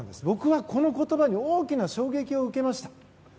僕はこの言葉に大きな衝撃を受けました。